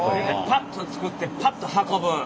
パッと作ってパッと運ぶ。